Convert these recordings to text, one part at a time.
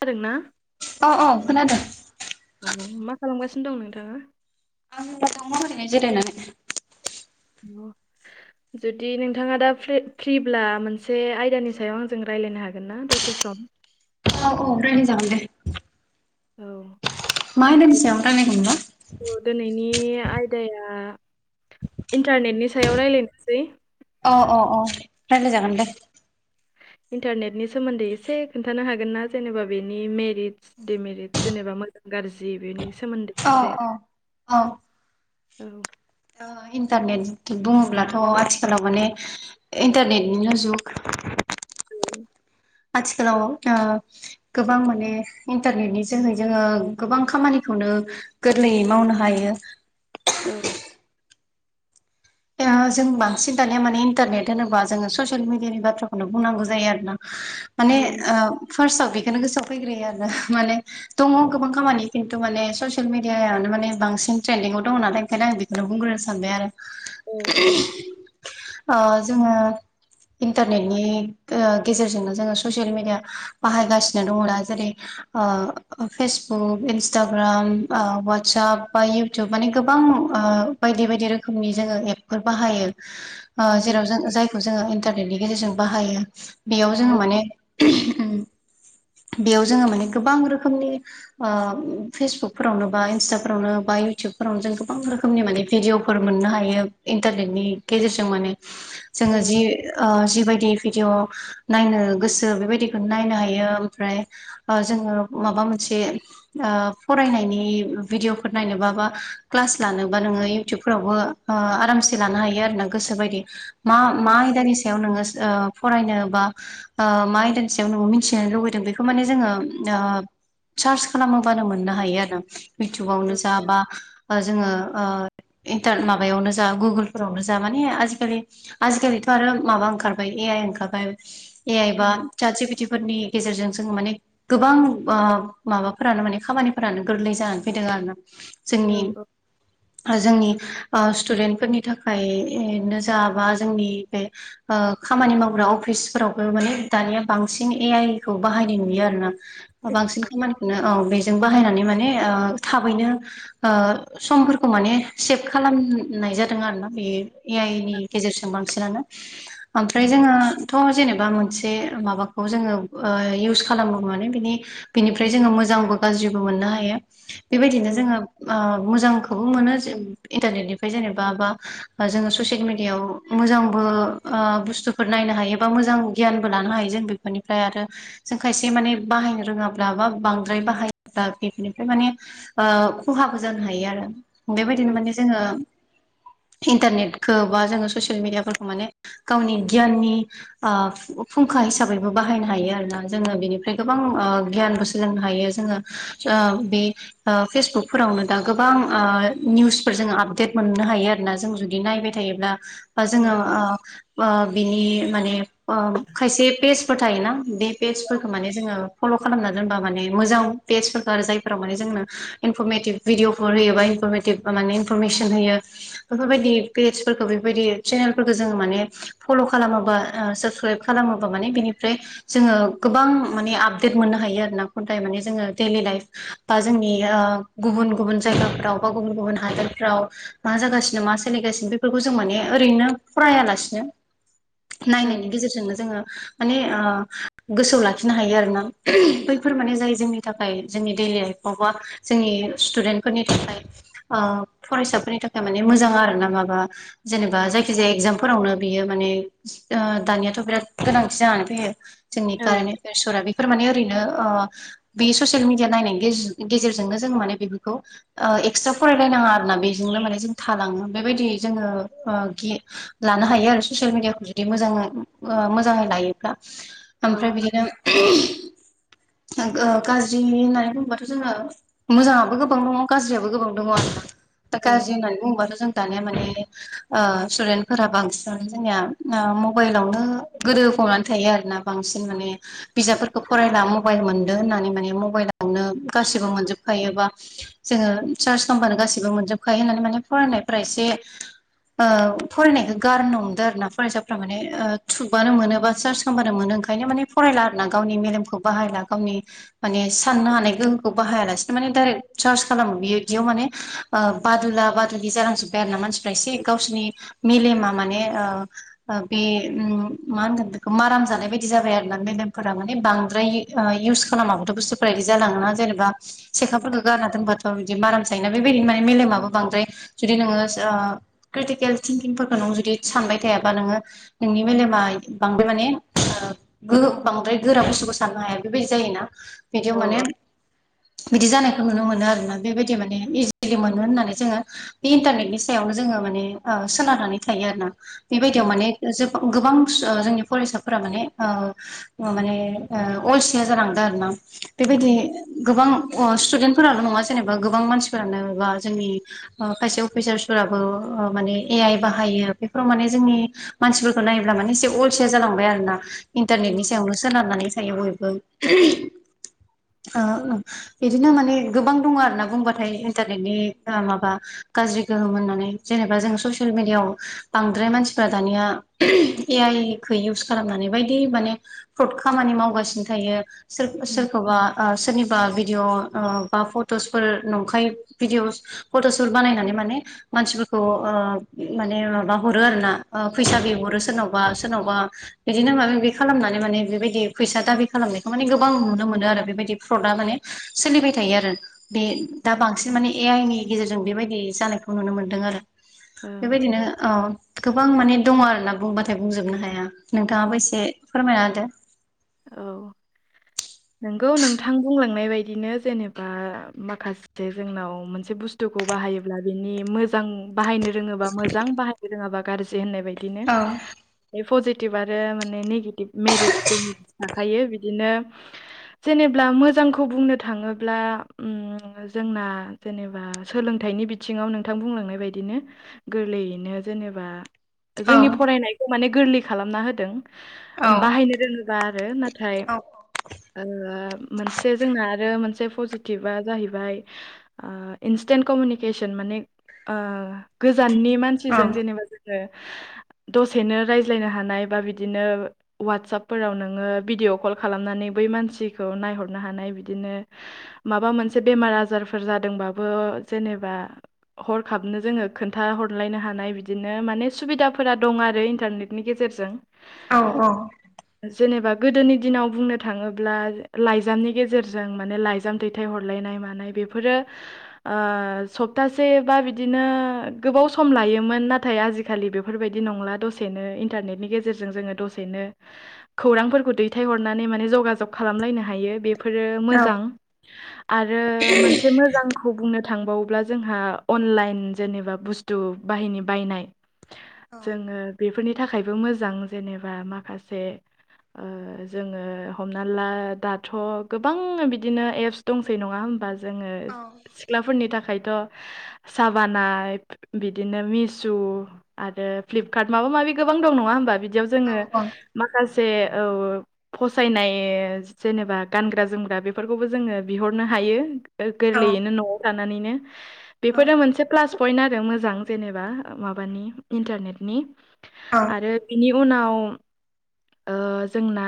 खोनादों ना? अ अ खोनादों औ मा खालामगासिनो दं नोंथाङा दङ' ओरैनो जिरायनानै अ जुदि नोंथाङा दा फ्रिब्ला मोनसे आयदानि सायाव आंजों रायज्लायनो हागोन ना दसे सम? अ औ रायलाय जागोन दे औ मा आयदानि सायाव रायलायगोन बा? औ दिनैनि आयदाया इन्टारनेटनि सायाव रायज्लायनोसै अ अ अ रायलाय जागोन दे इन्टारनेटनि सोमोन्दै एसे खोन्थानो हागोन ना जेनेबा बेनि मेरिटस डेमेरिटस जेनेबा मोजां गाज्रि बेनि सोमोन्दै औ एसे औ औ औ इन्टारनेट बुङोब्लाथ' आथिखालाव माने इन्टारनेटनिनो जुग [unintelligible] आथिखालाव गोबां माने इन्टारनेटनि जोहै जोङो गोबां खामानिखौनो गोरलैयै मावनो हायो औ दि जों बांसिन दानिया माने इन्टारनेट होनोबा जोङो ससियेल मिडियानि बाथ्राखौनो बुंनांगौ जायो आरो ना माने फार्साव बेखौनो गोसोआव फैग्रोयो आरो माने दङ गोबां खामानि खिन्थु माने ससियेल मिडियानो मान बांसि ट्रेन्डिङाव दङ नालाय ओंखायनो आं बि खोओ बुंग्रोनो सानबाय औ आरो जोंहा इन्टारनेटनि गेजेरजोंनो जोङो ससियेल मिडिया बाहायगासिनो दङ दा जेरै फेसबुक इन्सटाग्राम वाट्साप बा इउ टुब माने गोबां बायदि बायदि रोखोमनि जोङो एप फोर बाहायो नंगौ जेराव जों जायखौ जोङो इन्टारनेटनि गेजेरजों बाहायो बेयाव जोङो माने बेयाव जोङो माने गोबां रोखोमनि फेसबुकफोरावनो बा इन्सटाफोरावनो बा इउटुबफोरावनो जों गोबां रोखोम रोखोमनि माने भिडिअफोर मोननो हायो इन्टारनेटनि गेजेरजों माने जोङो जि जिबायदि भिडिअ नायनो गोसो बेबायदिखौनो नायनो हायो ओमफ्राय जोङो माबा मोनसे फरायनायनि भिडिअफोर नायनोब बा क्लास लानोबा नोङो इउटुबफोरावबो आरामसे लानो हायो आरो ना गोसो बायदि मा औ औ नंगौ औ मा आयदानि सायाव नोङो फरायनो बा मा आयदानि सायाव नोङो मिथिनो लुबैदों बेखौ माने जोङो सार्च खालामोबानो मोननो हायो आरो इउथुबावनो औ जा बा जोङो इन्टारन माबायावनो जा गुगोलफोरावनो जा माने आजिखालि आजिखालिथ आरो माबा ओंखारबाय ए आइ ओंखारबाय ए आइ बा नंगौ चात जि पि टि फोरनि गेजेरजों जोङो माने गोबां माबाफोरानो माने खामानिफोरानो गोरलै जानानै फैदों आरो ना जोंनि औ जोंनि स्टुडेन्टफोरनि थाखायनो जा बा जोंनि बे खामानि मावग्रा अफिसफोरावबो माने दानिया बांसिन ए आइ खौ बाहायनाय नुयो आरो ना बांसिन औ खामानिखौनो औ बे जों बायनानै माने थाबैनो समफोरखौ माने सेभ खालाम नाय जादों आरोना बेयो ए आइ नि गेजेरजों बांसिनानो ओमफ्राय नंगौ जोङोथ' जेनेबा मोनसे माबा खौ जोङो इउस खालामो माने बिनि बिनिफ्राय जोङो मोजांबो गाज्रिबो मोननो हायो बेबायदिनो औ जोङो मोजांखौबो मोनो इन्टारनेटनिफ्राय जेनेबा बा जोङो ससियेल मिडियायाव मोजांबो बुस्थुफोर नायनो हायो बा मोजां गियानबो लानो हायो जों बे फोरनिफ्राय आरो जों खायसे माने बाहायनो रोङाब्ला बा बांद्राय बाहायोब्ला बेफोरनिफ्राय माने खहाबो जानो हायो आरो औ बेबायदिनो माने जोङो इन्टारनेटखौ बा जोङो ससियेल मिडियाफोरखौ माने गावनि गियाननि फुंखा हिसाबैबो बाहायनो हायो आरोना जोङो बेनिफ्राय गोबां गियानबो सोलोंनो हायो जोङो बे फेसबुकफोरावनो दा गोबां निउसफोर जों [unintelligible] मोननो हायो आरोना जों जुदि नायबाय थायोब्ला ब जोङो औ बिनि माने खायसे पेजफोर थायोना बे पेेजफोरखौ माने जोङो फल खालामना दोनबा माने मोजां पेजफोरखौ आरो जायफोराव माने जोंनो इनफरमेटिभ भिडअफोर होयोबा इफरमेटिभ मे इनफरमेसन होयो बेफोरबायदि पेसफोरखौ बेफोरबायदि चेनेलफोरखौ जोङो माने फल खालामोबा साबसक्राइब खालामोबा माने बिनिफ्राय जोङो गोबां माने आपदेट मोननो हायो आरोना [unintelligible] माने जोङो डेलि लाइफ बा जोंनि गुबुन गुबुन जायगाफ्राव बा गुबुन गुबुन हादोरफ्राव मा जागासिनो मा सोलिगासिनो बेफोरखौ जों माने ओरैनो फरायालासिनो औ नायनायनि गेजेरजोंनो जोङो माने गोसोआव लाखिनो हायो आरोना बैफोर माने जाय जोंनि थाखाय जोंनि देइलि लाइफ बबेबा जोंनि स्टुदेन्टफोरनि थाखाय फरायसाफोरनि थाखाय माने मोजां आरो ना माबा जेनेबा जायखि जाया एगजामफोरावनो बियो माने दानियाथ बिराद गोनांथि जानानै फैयो जोंनि औ कारने [unintelligible] बेसरा बेफोर माने ओरैनो बे ससियेल मिडिया नायनायनि गेजेरजोंनो जों माने बेफोरखौ एक्सट्रा फरायलायनो नाङा आरो ना बेजोंनो माने जों थालाङो बेबायदि जोङो लानो हायो आरो ससियेल मिडियाखौ जुदि मोजांङै मोजाङै लायोब्ला [inaudible] ओमफ्राय बिदिनो [inaudible] गाज्रि होननानै बुङोबाथ' जोङो। मोजाङाबो गोबां दङ गाज्रियाबो गोबां दङ आरो दा गाज्रि औ होननानै बुङोबाथ' जों दानिया माने। स्टुदेन्टफोरा बांसिनानो जोंनिया मबाइलावनो गोदो फबनानै थायो आरोना। बांसिन माने बिजाबफोरखौ फरायला मबाइल मोनदों होननानै माने मबाइलावनो गासैबो मोनजोबखायो बा जोङो सार्च खालामब्लानो गासैबो मोनजोबखायो होननानै माने फरायनायफ्रा एसे फरायनायखौ गारनो हमदों आरो ना फरायसाफोरा माने थुबानो मोनो बा सार्च खालामबानो मोनो। ओंखायनो माने फरायला आरो ना गावनि मेलेमखौ बाहायला गावनि माने साननो हानाय गोहोखौ बाहायालासेनो माने डाइरेक्ट सार्च खालामो बिदियाव माने। बादुला बादुुलि जालांजोब्बाय आरो ना मानसिफ्रा एसे गावसोरनि मेलेमा माने। बे मा होनगोन बेखौ माराम जानाय बायदि जाबाय आरो ना मेदेमफोरा माने बांद्राय। इउस खालामाबाथ बुथुफोरा इदि जालाङो ना जेनेबा उम, सिखाफोरखौ गारना दोनबाथ' बिदि माराम जायोना बेबायदिनो माने मेलेमा। बांद्राय जुदि नोङो क्रिटिकेल थिंकिंफोरखौ नों जुदि सानबाय थायाबा नोङो नोंनि मेलेमा बांद्र माने। बांद्राय गोरा बुस्थुखौ साननो हाया बेबायदि जायोना। बिदियाव माने ओं बिदि जानायखौ नुनो मोनो आरोना बेबायदि माने इजिलि मोनो होननानै। जोङो बे इन्टारनेटनि सायावनो जोङो माने सोनारनानै थायो आरोना बेबायदियाव औ माने। गोबां जोंनि फरायसाफोरा माने। माने अलसिया जालांदों आरो ना। नंगौ बेबायदि गोबां स्टुडेन्टफोरानो नङा जेनेबा गोबां मानसिफोरानो बा जोंनि खायसे अफिसार्सफोराबो माने ए आइ बाहायो बेफोराव माने जोंनि। मानसिफोरखौ नायोब्ला माने एसे अलसिया जालांबाय आरो ना औ इन्टारनेटनि सायावनो सोनारनानै थायो बयबो। [unintelligible] बिदिनो माने गोबां दङ आरोना बुंबाथाय इन्टारनेटनि माबा। गाज्रि गोहोम होननानै जेनेबा जों ससियेल मिडियाआव बांद्राय मानसिफ्रा दानिया। ए आइखौ इउस खालामनानै बायदि माने फ्रड खामानि मावगासिनो थायो सोर सोरखौबा सोरनि बा भिडिअ बा फट'सफोर नंखाय भिडअ'स फट'सफोर बानायनानै माने मानसिफोरखौ माने माबा हरो आरो ना फैसा बिहरो सोरनावबा सोरनावबा बिदिनो माबाि खालामनानै माने बेबायदि फैसा दाबि खालामनायखौ माने गोबां नुनो मोनो आरो बेबायदि प्रडआ माने सोलिबाय थायो आरो बे दा बांसिन माने ए आइनि गेजेरजों बेबायदि जानायखौ नुनो मोन्दों आरो बेबायदिनो गोबां माने दङ आरोना बुंबाथाय बुंजोबनो हाया नोंथाङाबो एसे फोरमायना होदो औ नोंगौ नोंथां बुंलांनाय बायदिनो जेनेबा माखासे जोंनाव मोनसे बुस्थु खौ बाहायोब्ला बिनि मोजां मोजां बाहायनो रोङोबा मोजां बाहायनो रोङाबा गाज्रि होननाय बायदिनो औ बे पजिटिभ आरो माने नेगेटिभ मेरिटस देमेरिथस थाखायो बिदिनो जेनेब्ला मोजांखौ बुंनो थाङोब्ला जोंना जेनेबा सोलोंथाइनि बिथिङाव नोंथां बुंलांनाय बायदिनो गोरलैयैनो जेनेबा जोंनि फरायनायखौ माने गोरलै खालामना औ होदों बाहायनो रोङोबा आरो नाथाय औ मोनसे जोंना आरो मोनसे पजिटिभा जाहैबाय इन्स्टेन्ट कमिउनिकेसन माने गोजाननि औ मानसिजों जेनेबा जों दसेनो रायज्लायनो हानाय बा बिदिनो वाटसपफोरावनो नोङो भिडिअ कल खालामनानै बै मानसिखौ नायहरनो हानाय बिदिनो माबा मोनसे बेमार आजारफोर जादोंबाबो जेनेबा हरखाबनो जोङो खोन्था हरलायनो हानाय बिदिनो माने सुबिदाफोरा दं आरो इन्टारनेट नि गेजेरजों औ औ जेनेबा गोदोनि दिनाव बुंनो थाङोब्ला लाइजामनि गेजेरजों माने लाइजाम दैथाय हरलायनाय मानाय बेफोरो सप्तासे बा बिदिनो गोबाव सम लायोमोन नाथाय आजिखालि आजिखालि बेफोरबायदि नंला दसेनो इन्टारनेटनि गेजेरजों जोङो दसेनो खौरांफोरखौ दैथायहरनानै माने जगाजग खालामलायनो हायो बे बेफोरो मोजां आरो मोनसे मोजां आंखौ बुंनो थांबावोब्ला जोंहा अनलाइन जेनेबा बुस्थु बाहिनि बायनाय जोङो बेफोरनि थाखायबो मोजां जेनेबा माखासे जोङो हमना ला दाथ' गोबां बिदिनो एप्स दंसै नङा होमबा जोङो सिख्लाफोरनि थाखायथ' साबाना बिदिनो मिशु आरो फ्लिपकार्ट माबा माबि गोबां दं नङा होमबा बिदि बिदियाव जोङो माखासे औ फसायनाय जेनेबा गानग्रा जोमग्रा बेफोरखौबो जोङो बिहरनो हायो औ गोरलैयैनो न'आव थानानैनो बेफोरो मोनसे प्लास पइन्ट आरो मोजां जेनेबा माबानि इन्टारनेटनि आरो बेनि उनाव जोंना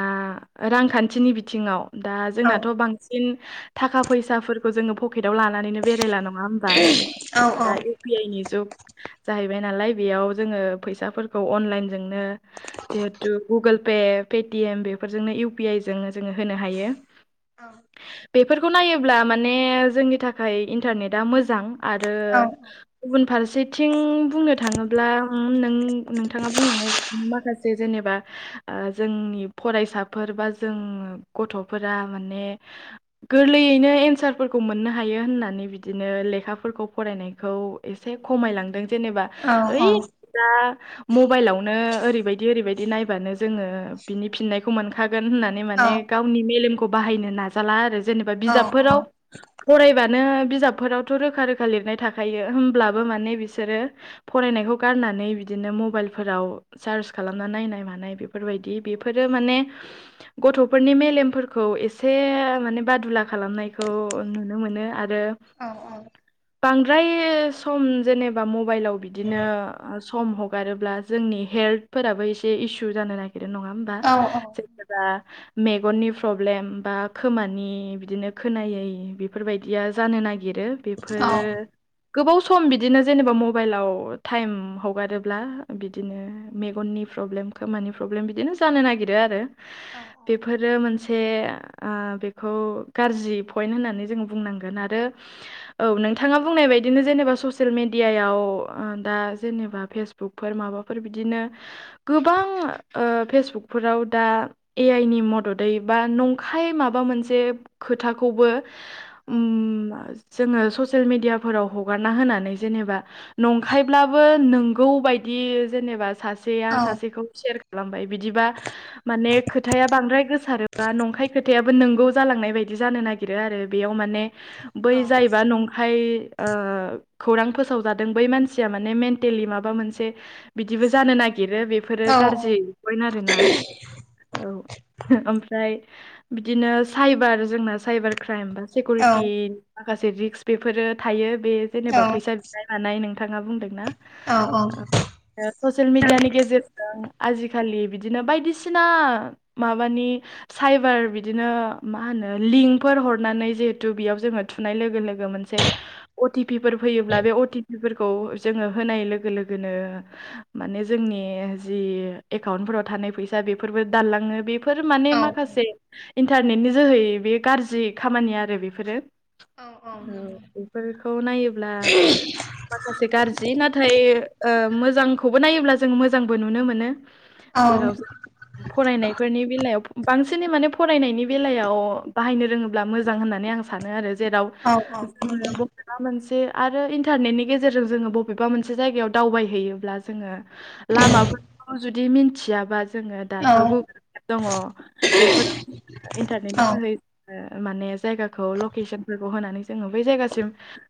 रांखान्थिनि बिथिङाव दा जोंनाथ' बांसिन न थाखा फैसाफोरखौ जोङो पकेटाव लानानैनो बेरायला नङा होमबा दा इउ फिर आइ जाहैबाय नालाय बेयाव जोङो फैसाफोरखौ अनलाइन जोंनो जिहेथु गुगोल पे पेटिएम बेफोरजोंनो इउ पि आइ जों जोङो होनो हायो औ बेफोरखौ नायोब्ला माने जोंनि थाखाय इन्टारनेटआ मोजां आरो औ गुबुन फारसेथिं बुंनो थाङोब्ला नों नोंथाङा बुंलांनाय बायदि माखासे जेनेबा जोंनि फरायसाफोर बा जों गथ'फोरा माने गोरलैयैनो एन्सारफोरखौ मोननो हायो होननानै बिदिनो लेखाफोरखौ फरायनायखौ एसे खमायलांदों जेनेबा औ ओइ औ दा मबाइलावनो ओरैबायदि ओरैबायदि नाय बानो जोङो बिनि फिननायखौ मोनखागोन होननानै माने गावनि मेलेमखौ बाहायनो नाजा जाला आरो। जेनेबा औ बिजाबफोराव फरायबानो बिजाबफोरावथ' रोखा रोखा लिरनाय थाखायो होमब्लाबो माने बिसोरो फरायनायखौ गारनानै बिदिनो मबाइलफोराव चार्ज खालामना नायनाय मा नाय बेफोरबायदि बेफोरो माने गथ'फोरनि मेलेमफोरखौ एसे माने बादुला खालामनाय खौ नुनो आरो औ बांद्राय सम जेने बा मबाइलाव बिदिनो सम हगारोब्ला जोंनि हेल्थफोराबो एसे इसु सु जानो नागिरो नङा होमबा जेनबा मेगननि प्रब्लेम बा खोमानि बिदिनो खोनायै बेफोरबायदिया जानो नागिरो। बेफोरो गोबाव सम बिदिनो जेनेबा मबाइलाव टाइम हगारोब्ला बिदिनो मेगननि प्रब्लेमखौ खोमानि प्रब्लेम बिदिनो जानो नागिरो आरो बेफोरो मोनसे ओ बेखौ गाज्रि पइन्ट होननानै जोङो बुंनांगोन आरो औ नोंथाङा बुंनाय बायदिनो जेनेबा ससियेल मेडियायाव दा जेनेबा फेसबुक फेसबुकफोर माबाफोर बिदिनो गोबां ओ फेसबुकफोराव दा ए आइ नि मददै बा नंखाय माबा मोनसे खोथाखौबो उम जोङो ससियेल मेडियाफोराव हगारना होनानै जेनेबा नंखायब्लाबो नंगौ बायदि जेनेबा सासेया सासे खौ सेयार खालामबाय बिदिबा माने खोथाया बांद्राय गोसारोबा नंखाय खोथायाबो नंगौ जालांनाय बायदि जानो नागिर रो आरो बेयाव माने बै जायोबा नं खाय ओ खौरां फोसावजादों बै मानसिया माने मेन्टेलि माबा मोनसे बिदिबो जानो नागिरो बेफोरो गाज्रि पइन आरोना। औ ओमफ्राय बिदिनो साइबार जोंना साइबार क्राइम बा सिकिउरिटि माखासे रिक्स बेफोरो थायो बे जेनेबा फैसा बिनाय नाय नोंथाङा बुंदोंना ससियेल मिडियानि गेजेरजों आजिखालि बिदिनो बायदिसिना माबानि साइबार बिदिनो मा होनो लिंकफोर हरनानै जिहेतु बेयाव जोङो थुनाय लोगो लोगो मोनसे अथिबिफोर फैयोब्ला बे अथिबिफोरखौ जोङो होनाय लोगो लोगोनो माने जोंनि जि एकाउन्टफोराव थानाय फैसा बेफोरबो दानलाङो बेफोर माने माखासे इन्टारनेटनि जोहै बे गाज्रि खामानि आरो बेफोरो औ। बेफोरखौ नायोब्ला माखासे गाज्रि नाथाय मोजांखौबो नायोब्ला जों मोजां बो नुनो मोनो जेराव फरायनायफोरनि बेलायाव बांसिनै माने फरायनायनि बेलायाव बाहायनो रोङोब्ला मोजां होननानै आं सानो आरो जेराव जोङो बबेबा मोनसे आरो इन्टारनेटनि गेजेरजों जोङो बबेबा मोनसे जायगायाव दावबायहैयोब्ला जोङो लामाफोर जुदि मिथियाबा जोङो औ दाथ' गुगोल दङ। बेफोर औ इन्टारनेटनि औ जोहै माने जायगाखौ लकेसनफोरखौ होनानै जोङो बै जायगासिम थां